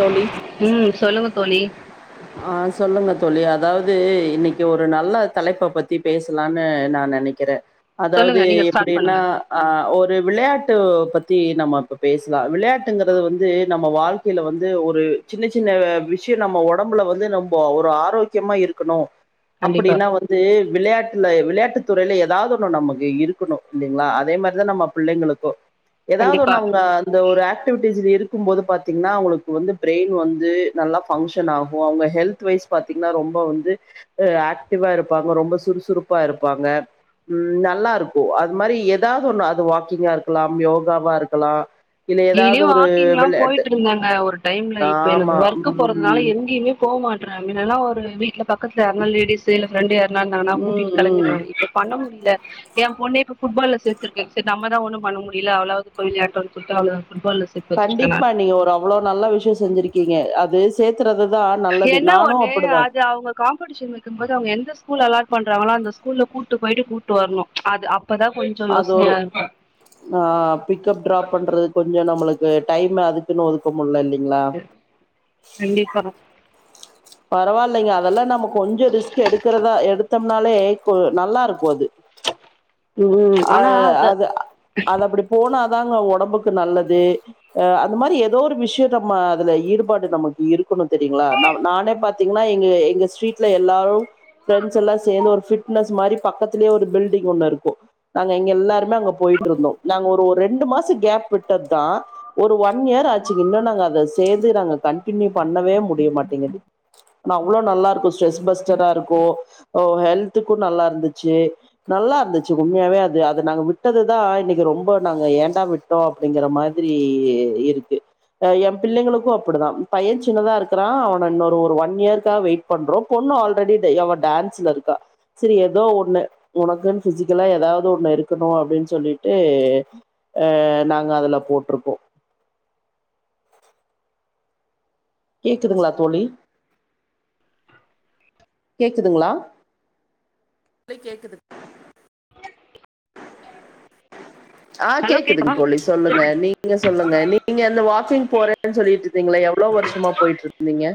தோழி ம் சொல்லுங்க தோழி ஆ சொல்லுங்க தோழி அ அதாவது இன்னைக்கி ஒரு நல்ல தலைப்ப பத்தி பேசலான்னு நா நெனைக்கிறே அதாவது சொல்லுங்க நீங்க ஸ்டார்ட் எப்புடின்னா பண்ணுங்க அ ஒரு து விளையாட்டு பத்தி நம்ம இப்ப பேசலா விளையாட்டுங்கிறது வந்து நம்ம வாழ்க்கையில வந்து ஒரு சின்ன சின்ன விஷயம் நம்ம ஒட் ஒடம்புல வந்து நம்போ ஒரு ஆரோக்கியமா இருக்கணும் கண்டிப்பா அப்புடிலா வந்து விளையாட்ல விளையாட்டு துறைல ஏதாவது ஒன்னு நமக்கு இருக்கணு இல்லைங்ளா அதே மாரிதா நம்ம பிள்ளைங்களுக்கு ஏதாவ்து கண்டிப்பா ஒன்னு அவுங்க அந்த ஒரு ஆக் ஆக்டிவிட்டிஸ் இருக்குபோது பாத்தீங்கனா உங்ளுக்கு வந்து ப்ரெயின் வந்து நல்லா ஃபங்ஷ் ஆகும் அவ்ங்க ஹெல்த் வைஸ் பாத்தீங்கன்னா ரொம்ப வந்து ஆக்டிவா இருப்பாங்க ரொம்ப சுறுசுறுப்பா இருப்பாங்க ம் நல்லாருக்கும் அது மாரி ஏதாவ்து ஒன்னு அது வாக்கிங்கா இருக்கலா யோகாவா இருக்கலா டெய்லி வாக்கிங்லா போயிட்ருந்தாங்க ஒரு டைம்ல இப்ப எனக்கு ஆமா. ஒர்க் போறதுனால ம். எங்யுமே போமாட்டறா இதல்லாம ஒரு ரீசன் பக்கத்ல யார்னா லேடிஸு இல்ல ஃப்ரெண்டு யார்னா இருந்தாங்ன ம், கூட்டிட்டு ம். களம்பிடுவே இப்ப பண்ண முடியல எ பொண்ணே ஃபுட்பால்ல சேத்திருக்கே செரி நம்ம தா ஒன்னு பண்ண முடியல அவளாது போய் விளயாட்டு சொல்லி [unintelligible] கண்டிப்ப நீங்க ஒரு அவ்ளோ நல்ல விஷ்யோ செஞ்சிருக்கீங்க அது சேர்த்துறது தான் நல்லது. என்ன நானும் ஒன்னு அப்படிதான். அது அவ்ங்க காம்ப்படிஷன் வக்கும்போது அவுங்க எந்த ஸ்கூல் அலார்ட் பண்றாவங்ள அந்த ஸ்கூல்ல கூட்டு போயிட்டு கூட்டு வர்ணு அது அப்பதா கொஞ்சோ அது ஒரு யோசனையா ஆ பிக்கப் டிராப் பண்றது கொஞ்சோ நம்ளுக் டைம் அதுக்குன் ஒதுக்க முல்ல கண்டிப்பா பரவால்லைங்க அதல்லா நம்ம கொஞ்ச ரிஸ்க் எடுக்கறதா எடுத்தம்னாலே கு நல்லாருக்கு அது ம் அ ஆனா அது அது அப்படி போனா தாங்க ஒடம்புக்கு நல்லது அந்த மாரி எதோ ஒரு விஷ்ய நம்ம அதுல ஈடுபாடு நமக்கு இருக்க குனு தெரியுங்ளா நானே பாத் பாத்தீங்னா எங்க எங்க ஸ்ட்ரீட்ல எல்லாரு ஃபிரெண்ட்ஸ் எல்லா சேந்து ஒரு ஃபிட் ட்னஸ் மாரி பக்கத்லயே ஒரு பில்டிங் ஒன்னு இருக்கு அதுல எங் எல்லாரு அங்க போயிட்ருந்தோ நாங்க ஒரு ஒரு ரெண்டு மாச கேப் விட்டத்தா ஒரு வாட் ஒன் இயர் ஆச்சுங்க இன்னு நாங்க அத சேந்து நாங்க கண்டினியூ பண்ணவே முடியமாட்டேங்குது அவ்ளோ நல்லாருக்கு ஸ்ட்ரெஸ் பஸ்டரா இருக்கு ஹெல்த்துக்கு நல்லாருந்துச்சு நல்லாருந்துச்சு வே அத நாங்க விட்டதுதா இன்னக்கு ரொம்ப நாங்க ஏண்டா விட்டோ அப்டிங்குற மாதுரி இருக்கு எ பிள்ளைங்களுக்கு அப்புடிதா பைய சின்னதா இருக்குறா அவன் இன்னொரு ஒன் இயர்காக வெயிட் பண்றோ பொண்ணு ஆல்ரெடி டான்ஸ்ல இருக்க செரி ஏதோ ஒன்னு உனக்குன்னு க்கெலா ஏதாவ்து ஒன்னு இருக்கணு அப்டின் சொல்லிட்டு அ நாங்க அதுல போட்ருக்கோ கேக்குதுங்ளா தோழி கேக்குதுங்ளா கேக்குது ஆ ஹலோ கேக்குதுங்க கேக்குதா தோழி சொல்லுங்க நீங்க சொல்லுங்க நீங்க அந்த வாக்கிங் போறே சொல்லிட்டு நீங்ள எவ்ளோ வர்ஷமா போயிட்டு இருந்தீங்க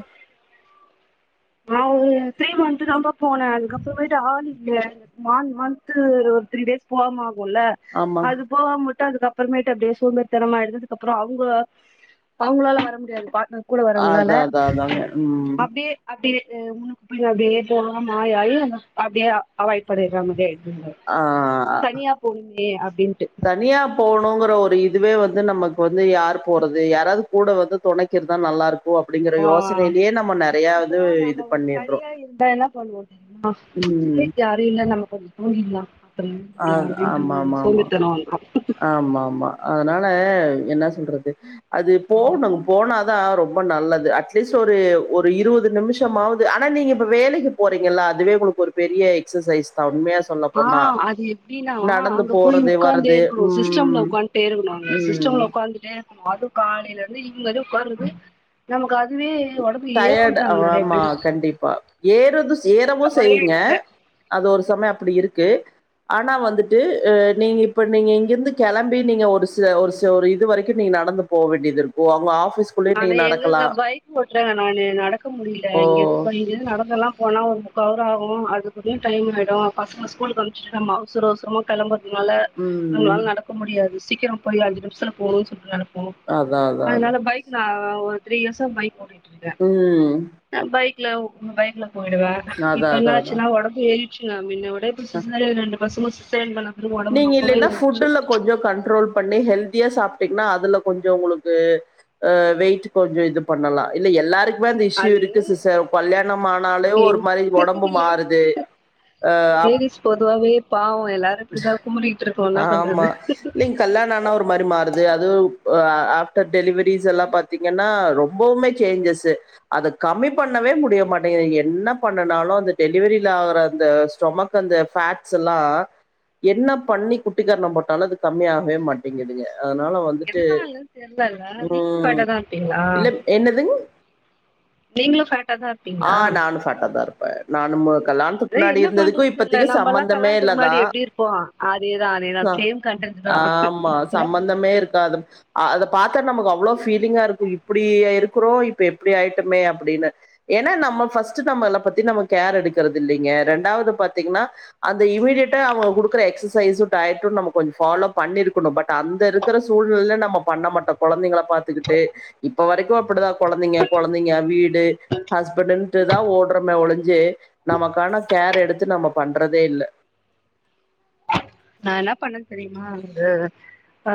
நா ஒரு த்ரீ மந்த் தாபா போன அதுக்கப்றமேட்டு ஆள் இல்ல நான் மந்த் த்ரீ டேஸ் போனமா முல்ல ஆமா அது போக முல் அதுக்கப்றமேட்டு அப்டே சோம்பேரி தனமா ஆயிடதுக்கு அப்றோ அவங்கள அவங்களால வர முடியாது பாட்ன அ அதா அதா அதாங்க ம் அப்டியேத்து [unintelligible] அப்டியே போவாம ஆய்ஆயி அப்டியே அவாயிட் பண்ணிறாங்க ஆ தனியா போனிங்க ஏ அப்டின் தனியா போணுங்ற ஒரு இதுவே வந்து நம்மக்கு வந்து யார் போறது யாராவது கூட வந்து தொனக்கி இருந்தா நல்லாருக் ஆ இப்போ இது இது நம்ம ஒ பண்ணிடுறோம் தனியா இருந்தா என்ன பண்ணுவோ தெரியுமா ம் சரி யாரு இல்ல நம்ம கொஞ்சோ போரில்லா க்லா அப்டின்ற ஒரு சோம்பேர்தனோ வந்ரு ஆம் ஆமா அதனால என்னா சொல்றது அது போகணு போனா தா தா ரொம்ப நல்லது அட்லீஸ் ஒரு ஒரு இருவது நிமிஷமாவது ஆனா நீங்க இப்ப வேலைக்கு போறீங்கள்ள அதுவே உங்களுக்கு ஒரு பெரிய எக்சசைஸ் தா உண்மையா சொல்ல ஆ போனா அது எப்டின்னா நடந்து அங்க போய் போறது உட்காந்தே வரது இருக்கணு சிஸ்டம்ல உக்கான்டே இருக்கணு அங்க சிஸ்டம்ல உக்காந்துட்டே இருக்கணு அது காலைல ந்து ஈவ்னிங் வர உக்கார்றது நமக்கு அது டயட் ஆமா கண்டிப்பா ஏறுது ஏறவு ஒரே செய்யுங்க எடத்துல அது ஒரு சமயொ அப்டி இருக் கு ஆனா வந்துட்டு ஆ நீங்க இப்ப நீங்க இங்கேர்ந்து கெளம்பி நீங்க ஒரு சில ஒரு சில ஒரு இது வரைக்கு நீங்க நடந்து போ வேண்டியது இருக்கு அவுங்க ஆஃப் ஃபீஸ்குள்ளே நீங்க நடக்கலா றங்க நானு நடக்க முடியில ஓ இங்கேந்து ப இங்கேந்து நட தெல்லா போனா ஒரு முக்கா அவர் ஆகு அதுக்குல்லயு டைம் ஆயிடு பசங்க ஸ்கூல்க்கு அமிச்சிட்டு நம்ம அவ்சர அவசரமா கெளம்பர் னால ம் நம்ளால நடக்க முடியாது சீ க்கிரொ போய் அஞ்சி நிம்சத்ல போனுன் சொல்லி நன அதா அதா அதா ஆ ஒரு த்ரீ இயர்ஸா பைக் ஓட்டி உம் க்ல உ பைக்ல போயிடுவ இப்ப அதா அதா என்னாச்சுன்னா ஒடம்பு ஏறி ச்சி நா மின்னவ் விட [unintelligible] பசங்க சிசேரியன் பண்ண பிறகு ஒடம்பு நீங்க ரொம்பவே இல்லென்னா ஏறிடுச்சு ஃபுட்டுல கொஞ்சோ கண்ட்ரோல் பண்ணி ஹெல்த் தியா சாப்ட்டீங்ன்னா அதுல கொஞ்சொ உங்களுக்கு ஆ வெயிட் கொஞ்சொ இது பண்ணலா இல்ல எல்லாரு க்மே அந்த இஷு அது இருக்கு சிஸர் கல்யாணமானாலே ஒரு மாரி ஒடம்பு லேடிஸ் மாறுது ஆ அப் பாவொ ஆமா இல்லிங் கல்யாணொ ஆனா ஒரு மாரி மாறுது அது வ்அ ஆஃப்டர் டெலிவரீஸ் எல்லாம் பாத்தீங்கன்னா ரொம்பவுமே சேஞ்சஸு அத கம்மி பண்ணவே முடிய மாட்டேங்குது என்ன பண்ணுனாலு அந்த டெலிவரியில ஆவுற அந்த ஸ்டொமக் அந்த பேட்ஸெல்லா என்ன பண்ணி குட்டிக்கரணம் போட்டாலு அது கம்மியாகவே மாட்டேங்கிதுங்க எதுனாலன் தெர்லல நீங்களு உம் ஃபேட்டாதா இருப்பீங்களா இல்ல என்னதுங்க நீங்களு ஃபேட்டாதா இரு ஆ நானு ஃபேட்டாதா இருப்ப நானும் கல்யாணத்துக்கு அதா முன்னாடி என்ன இருந்ததுக்கும் பண்றதுன் தெர்ல இப்பத்திக்கு நம்பல்லா சம்பந்தமே கல்யணத்துக்கு முன்னாடி இல்லதான் எப்டி இருப்போ அதேதா அதேதா சேம் கண்டன்ட்டு தா ஆமா என்ன பண்றது சம்பந்தமே இருக்காது. அ அத பாத்தா நமக்கு அவ்ளோ ஃபீலிங்கா இருக்கு இப்டியா இருக்குறோ இப்ப எப்டி ஆயிட்டோமே அப்டின்னு ஏனா நம்ம ஃபஸ்ட்டு நம்மளப் பத்தி நம்ம கேர் எடுக்கறதில்லிங்க ரெண்டாவது பாத்தீங்கனா அந்த இமீடியட்டா அவுங்க குடுக்குற எக்சசைசு டயட்டு நம்ம கொஞ்சொ ஃபாலோ பண்ணிருக்கணு பட் அந்த இருக்குற சூழ்நிலைல நம்ம பண்ணமாட்டோ கொழந்தைங்கள பாத்துக்கிட்டு இப்ப வரைக்கு அப்டிதா கொழந்தைங்க கொழந்தைங்க வீடு ஹஸ்பண்டுன்ட்டு தா ஓட்றமே ஒழிஞ்சி நமக்கான கேர் எடுத்து நம்ம பண்றதே இல்ல நா என்ன பண்ணன் தெரிமா அ ஆ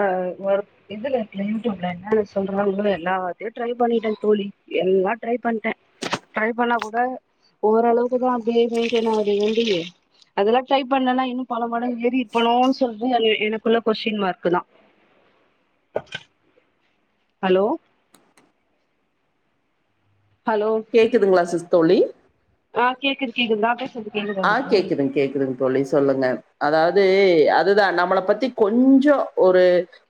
ஒரு இதுல இர்க்குல யூட்யூப்ல என்னான்ன சொல்றாங்களோ எல்லாத்யு ட்ரை பண்ணிட்ட தோழி எல்லாம் ட்ரை பண்ட்டே ட்ரை பண்ணா கூட ஒரளவுக்குதா அப்டியே மெயின்டெய்ன் வேண்டி அதெல்லா ட்ரை பண்ணனா இன்னு பலமடங்கு எரி பனோனு சொல்ட்டு எனக்குள்ள கொஸ்டின் மார்க்குதா ஹலோ ஹலோ கேக்குதுங்ளா சிஸ் தோழி ஆ கேக்குத் கேக்குது நா பேசது ஆ கேக்குதுங் கேக்குதுங்க் தோழி சொல்லுங்க அதாவ்து அதுதா நம்மள பத்தி கொஞ்சோ ஒரு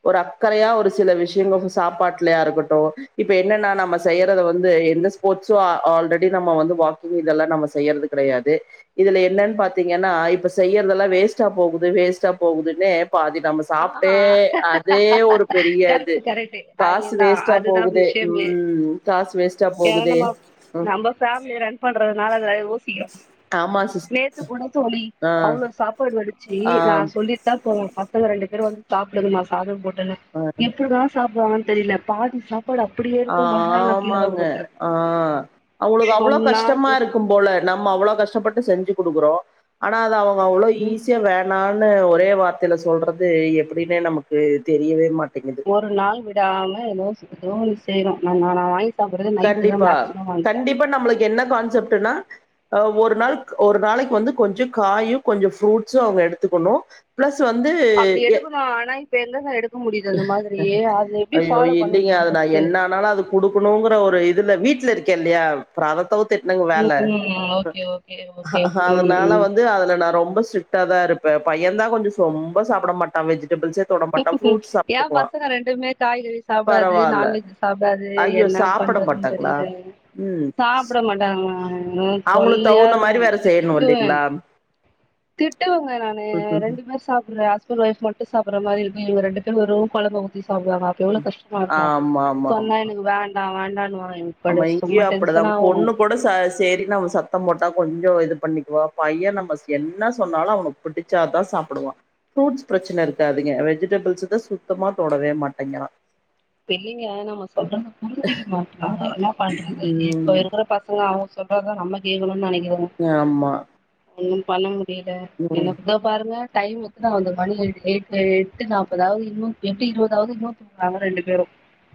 ஒரு அக்கறயா ஒரு சில விஷ்யங்க சாப்பாட்லையா இருக்கட்டு இப்ப என்னன்னா நம்ம செய்றத வந்து எந்த ஸ்போட்சும் ஆல்ரெடி நம்ம வந்து வாக்கிங் இதல்லா நம்ம செயற்து கெடயாது இதுல என்னன் பாத்தீங்கன்னா இப்ப செய்யற்தல்லா வேஸ்ட்டா போகுது வேஸ்ட்டா போகுதுன்னே ஆ ஒரு பெரிய இது கரெக்டு கரெக்டு காசு அதேதா வேஸ்ட்டா அதுதா போகுது விஷ்யமே ம் காசு வேஸ்ட்டா ஏ போகுதே நம்மோ ம் நம்பஃபேம்லிய ரன் பண்றதுனால அத யோசிக்கிறோ ஆமா சிஸ் நேத்து கூட தோழி ஆ அவ்ளோ சாப்பாடு வடிச்சி ஆ நா சொல்லிட்தா போன ரெண்டு பேரும் வந்து சாப்டுங்மா சாதம் போட் டுனு ஆ எப்போடா சாப்டுவாங்கன் தெரிய்ல பாதி சாப் ஆ ஆமாங்க ஆ அவ்ங்குளுக்கு அவ்ளோ சொன்னா கஷ்டமாருக்கும்போல நம்ம அவ்ளோ கஷ்டப்பட்டு செஞ்சு குடுக்றோ அனா அது அவு அவ்ளோ ம் ஈசியா வேணா ஒரே வார்த்தைல சொல்றது எப்டினே நமக்கு தெரியவே மாட்ட ஒரு நாள் விடாம எதோ ரோல் செய்றோ நா நா நா வாய்ஸ் கண்டிப்பா கண்டிப்பா நம்ளுக் என்ன கான்செப் டனா ஒரு நாள்க் ஒரு நாளைக் வந்து கொஞ்ச காயு கொஞ்ச ஃப்ரூட்ஸு அவுங்க எடுத்துக்கொனு ப்ளஸ் ச் வந்து அப்டி எ எடுக்கணு ஆனா இப்ப எங்கங்க எடுக்க முடியுது அந்த மாதிரி அது எப்டி ஐயோ ஃபாலோ பண்ண இல்லிங்க முடியுது அது நா ஃபர்ஸ்ட்டு என்ன ஆனாலு அது குடுக்குணுங்க இதுல்ல வீட்ல இருக்கே இல்லையா அப்ர அத தவுத் திட்னங் வேல ம் ம் ஓகே ஓகே ஓகே ம் அதனால ம் வந்து அதுல நா ரொம்ப ஸ்ட்ரிக்ட் டாதா இருப்ப பையன்தா கொஞ்சோ சொம்ப சாப்ட மாட்டா வெஜ் ஏன் பசங்க ரெண்டுமே காய்கறி சாப்டாது பரவால்ல நான்வெஜ் சாப்டாது ஐயோ என்ன சாப்ட பண்றதுன் மாட்டாங்களா தெரிய்ல சாப்ட மட்டாங்க ஆஹ் அவுங்ள தவுந்த மரி வேற செய்யணு இல்லிங்ளா திட்டுவுங்க நானு ரெண்டுமேர் சாப்புல்ல அஸ் [unintelligible] மட்டு சாப்புற்ற மாரி இருக்கு இவ ரெண்டு பேரு வெறு கொலம்ப ஊத்திஸ் சாப்டுவாங்க அப்ப எவ்ளோ கஷ்ட்மா இருக்கு ஆமா சொன்னா எனுக்கு வேண்டா வேண் ன்னான்னுவாங்க அமா இங்கியு அப்படுதா பொண்ணு கொட ச சேரின்னு அவ சத்த போட்டா கொஞ் யோ இது பண்ணிக்வா பைய நம்பஸ் என்ன சொன்னாலு அவன புடுச்சாதா சாப்புடுவா ஃப்ரூட்ஸ் ப்ரச்சுன இருக்காதுங்கெ வெஜிடபுள்ஸுத சுத்தமா தொடவே மாட்டங்கிறா பெ ள்ளிங்க நம சொல்றத புரிஞ்சிகி மாட்றாங்க ஆ என்னா பண்றுது இப்போ ம் இருக்குற பசங்க அவுங் சொல்றதா நம்ம கேக்குனுன் நனைக் யாமா ஒன்னும் பன்ன மு டில எனக் தோ பாருங்க டைமுக்கு நா அந்த மணி எழுதி எயிட்வே எட்டு நாப்பதாவ்து இன்னு எட்டு இருவதாவ்து இன்னு நாங்க ரெண்டு பெரும்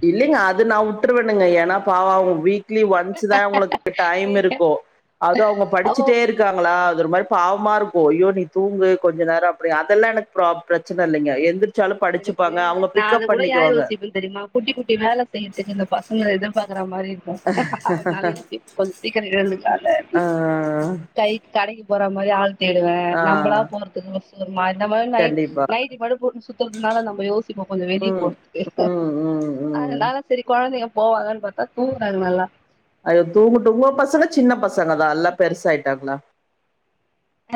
இல்லிங்க அது நா வுட்ருவேணுங்க ஏன்னா பாவோ அவுங்க வீக் க்லி ஒன்ஸ்தா அவுங்ளுக்கு டைம் இருக்கூ அது அவுங்க அவ படிச்சுட்டே இருக்காங்களா அது ஒரு மாரி பாவமா இருக் போ அய்யோ நீ தூங்கு கொஞ்ச நேர அப்டி அதெல்லா எனக் ப்ரா பிரச்சன இல்லிங்க எந்திரிச் எனக்கு நா அது கூட யா யோசிப்ப தெரியுமா குட்டி குட் டி மேல செய்யத்துக்கு இந்த பசங்கள எதுர் பார் ங்ர மாரி இருக்கு அதனால யோசிப் கொஞ் சீக்கர ஏழ்ந்துகு கத ஆ, அப்டின்னு டை கடக்கி போற மாரி ஆல் தேடுவே ஆ, நம்பலா போறதுக்கு வஸ் நா இந்த மாரி நைட் கண்டிப்பா. நைட்டி மட்டு போட்னு சுத் போர்துனால நம்ப யோசிப்போ கொஞ்ச வெளியே ம், போற்துக்கு ம், ம், ம். அதனால செரி கொழ தைங்க போவாங்கன்னு பாத்தா தூங்குறாங்க நல்லா அது தூங்கட்டு உங்க பசங்க சின்ன பசங்கதா இல்ல பெருசாயிட்டாங்ளா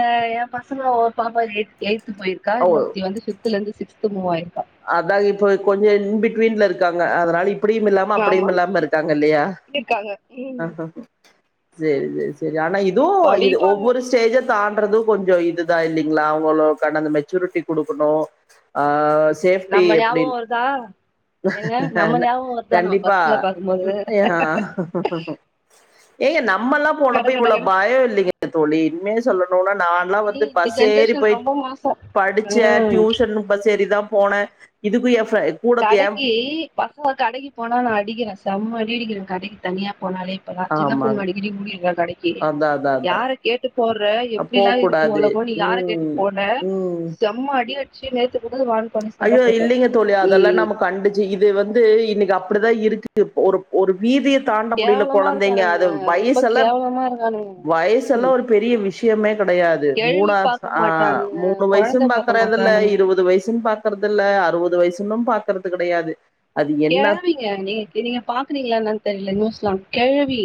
அ ஏ பசங்ளு ஒரு பாப்பா எட் எயிட் போயிருக்கா இன்னொருத்தி வந்து ஃபிஃப்த்லேந்து சிக்ஸ்த் திரும்பவு ஆயிர்க்கா அதா இப்ப கொஞ்சோ இன்பிட்வீன்ல இருக்காங்க அதனால இப்படியு இல்லாம அப்படியு ஆமா இல்லாம இருக்காங்க இல்லையா இருக்காங்க ம் அ சேரி சேரி சேர் ஆனா இதுவு இது படிப்பாங்க ஒவ்வொரு ஸ்டேஜ தா கறது கொஞ்ச இதுதா இல்லைங்ளா அவங்களோ கடந்து மெச்சூரிட்டி குடுக்குணு ஆ சேஃப்டி நம்ம ஞாபகோ எப்புடின்இல்ல வருதா ஏங்க நம்ம ஞாபகோ வருதா நம்ம கண்டிப்பா பசங்கள பாக்கும்போது ஏ நாப் நம்ம எல்லா கட போனப்ப கட இவ்வள கட பய இல்லைங்க தோழி உண்மய சொல்ல னுனா நால்லா இ வந்து இந்த பஸ் ஏறி ஜென்ரேஷன் போய் ரொம்ப மோசோ படிச்சே ம் டியூஷன்னு பஸ் ஏறிதா போன இதுக்கு எஃப் கடைக்கு பசங்க கடைக்கு போனா நா அடிக்கிற செம்ம அடி அடிக்கிற கடைக்கு தனியா போனாலே இப்பலா சின்ன பொண்ணு ஆமாங்க அடிக்கடி ஓடிடுறா கடைக்கு அதா அதா அதா யார கேட்டு போற எப்படிலா இருக்கு போக்கூடாது உலகோ நீ யார கேட்டு ம் போன ம் செம்ம அடி ச்சி நேத்து அத வாங்கி தானு சண்டை போட்ட அதெல்லா நாம கண்டிச்சு இது வந்து இன்னைக்கு அப் அப்படி தா இருக்கு ஒரு ஒரு வீதிய தாண்ட முடியல கேவலமா கொழந்தைங்க இருக்கானுங்க அது ரொம்ப வயசெல்லா கேவலமா இருக்கானுங்க வயசெல்லா ம் ஒரு பெரிய விஷயமே கெடையாது கெழவி மூணா பாக்க சா மாட்றானுங்க மூணு வயசு கொழந்த பாக்க பாக்கறதுல்ல மாட்றானுங்க இருவது வயசுன் பாக் பாக்கறதுல்ல அறுவது வயசுன்னு பாக்கறது கெடையாது கெழவிங்க நீங்க நீங்க பாக்குறீங்களா என்னனு தெரில நோஸ் குளா கெழவி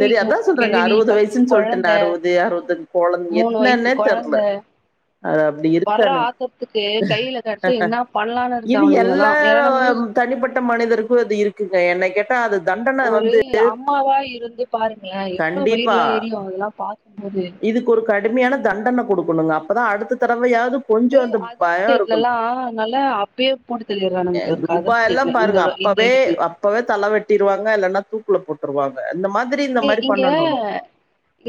செரி அதா சொல்றங்க கெழவி அறுவது பச்ச வயசுன்னு சொல்ட்டன் கொழந்த அறுவது அறுவத்தன் கொழந் மூணு வயசு என்னன்னே தெர்ல கொழந்த அது அப்டி வர்ற இருக்கானுங் ஆக்கறத்துக்கு கையில கெடச்சா என்ன பண்ணலான்னு இருக்கு இது அவனுங்கல்லா எல்லா ஏன்னா நம்ம நியூஸ் தனிப்பட்ட மனிதருக்கு அது இருக்கு இல்ல என்ன கேட் டா அது தண்டன ஒரு வந்து அம்மாவா இருந்து பாருங்களே எப்ப வயிருலா கண்டிப்பா. எரியு இதுலா பா இதுக்கு ஒரு கடுமையான தண்டன குடுக்கணுங்க அப்பதா அடுத்த தடவையாது ஏ அதர் ஸ்டேட்லல்லா நல்லா அப்பயே புடி அ துபாயல்லா பாருங்க இந்த அப்பவே இதுக்கு அப்பாவே தல வெட்டிருவாங்க இல்ன்னா தூக் கூல போட்ருவாங்க இ இங்க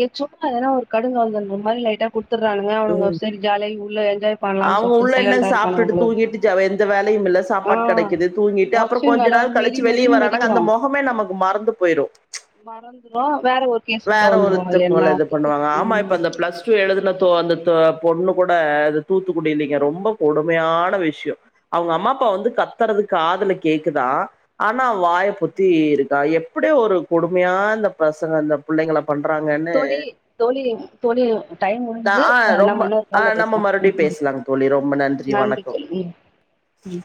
எ சும்மா எதனா ஒரு க [unintelligible] மாரி லைட்டா கு த்துர்றானுங்க அவனுங்க சேரி ஜாலியா உள்ள என்ஜாய் பண்ணலான்னு அவ்ங்க சொல்ட்டு உள்ள என்ன சைலண்டா இருக்கானுங்க சாப்ட்டுட்டு போல இருக்கு தூங்கிட்டு ஜவ எந்த வேலையுமில்ல ஆ சாப்பாட் கெடக்கிது தூங்கிட்டு அப்பறொ ஒர்க்ஷன் கொஞ்ச நல்லா நாள் மெதி கழிச்சு வெளிய மெதின்னு வரனா மெதிக்கிறோ அந்த மொஹமே நமக்கு மறந்து போய்ரு மறந்துரு வேற ஒரு கேஸ் உள்ள வேற வந்துரு ஒருத்தர் போல இது என்னாத்துக்கு பண்ணுவாங்க ஆமா இப்ப அந்த ம் ப்ளஸ் டூ எழுதுன அந்த பொண்ணு கூட அ தூத்துக்குடி இல்லைங்க ரொம்ப கொடுமையான வஷ்யோ அவ்ங்க அம்மா அப்பா வந்து கத்துறதுக்கு காதல கேக்குதா ஆனா வாய பொத்தி இருக்கா எப் அப்புடி ஒரு கொடுமையா அந்த பசங்க அந்த புள்ளைங்கள பண்றாங்கன்னு தோழி தோழி தோழி டைம் முடிஞ்கிது ஆ ரொம்ப நம்ம இன்னொரு ஆ காலல நம்ம பேஸ்லா மறுபடியும் ம் பேசலாங்க தோழி ரொம்ப நன்றி வணக்கம் சொல்ல ம்